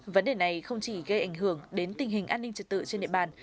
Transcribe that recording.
nói đến này không chỉ gây ảnh hưởng đến tình hình an ninh trật tự trên địa bàn